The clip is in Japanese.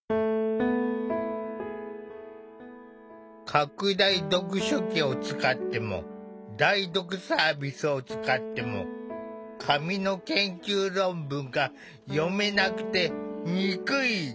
拡大読書器を使っても代読サービスを使っても紙の研究論文が読めなくて憎い！